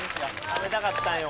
食べたかったんよ